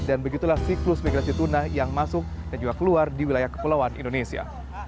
dan begitulah siklus migrasi tuna yang masuk dan juga keluar di wilayah kepulauan indonesia